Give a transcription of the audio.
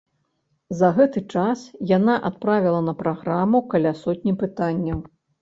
За гэты час яна адправіла на праграму каля сотні пытанняў.